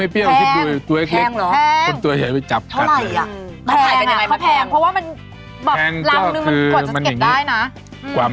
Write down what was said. ผักหวานปลา